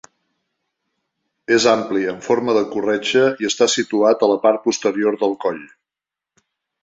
És ampli, en forma de corretja i està situat a la part posterior del coll.